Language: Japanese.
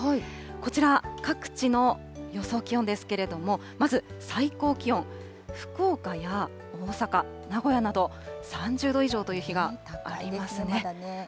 こちら、各地の予想気温ですけれども、まず最高気温、福岡や大阪、名古屋など、３０度以上という日がありますね。